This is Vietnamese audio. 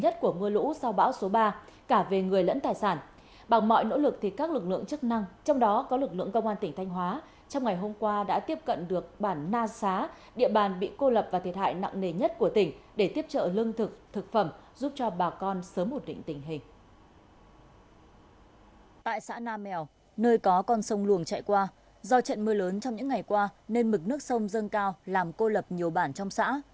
tại xã nam mèo nơi có con sông luồng chạy qua do trận mưa lớn trong những ngày qua nên mực nước sông dâng cao làm cô lập nhiều bản trong xã